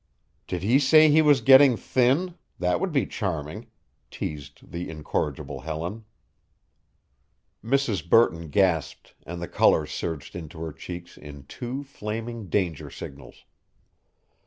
"Did he say he was getting thin that would be charming," teased the incorrigible Helen. Mrs. Burton gasped and the color surged into her cheeks in two flaming danger signals.